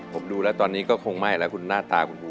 ผมดูแล้วตอนนี้ก็คงไม่แล้วคุณหน้าตาคุณบู